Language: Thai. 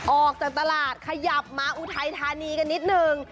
ออกจากตลาดขยับมาอุทัยธานีกันนิดนึง